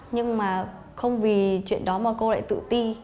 nhưng mà không vì chuyện đó mà cô lại tự ti